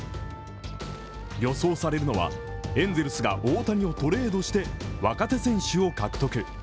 予想されるのは、エンゼルスが大谷をトレードして、若手選手を獲得。